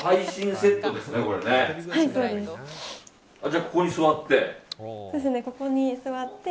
じゃあ、ここに座って？